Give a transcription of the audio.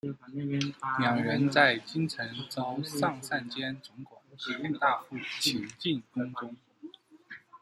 两人在京城遭尚膳监总管海大富擒进宫中。